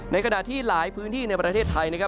ขณะที่หลายพื้นที่ในประเทศไทยนะครับ